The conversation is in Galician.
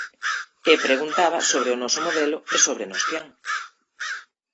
E preguntaba sobre o noso modelo e sobre Nostián.